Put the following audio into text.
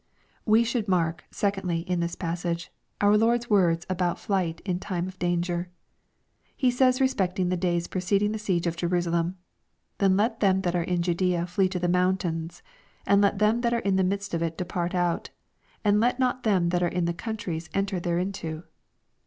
We should mark, secondly, in this passage, our LorcV% words about flight in time of danger. He says respecting the days preceding the siege of Jerusalem, " Then let them which are in Judea flee to the mountains ; and let them which are in the midst of it depart out ; and let not them that are in the countries enter thereinto."